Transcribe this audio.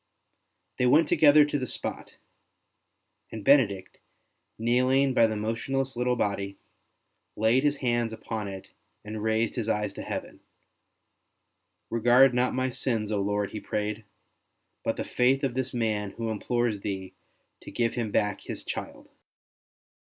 They went together to the spot, and Benedict, kneeling by the motionless little body, laid his hands upon it and raised his eyes to Heaven. " Regard not my sins, Lord," he prayed, " but the faith of this man who implores Thee to give him back his child."